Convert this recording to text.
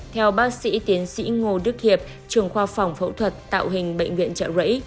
theo bác sĩ tiến sĩ ngô đức hiệp trường khoa phòng phẫu thuật tạo hình bệnh viện trợ rẫy